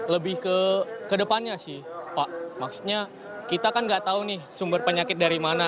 lebih ke depannya sih pak maksudnya kita kan nggak tahu nih sumber penyakit dari mana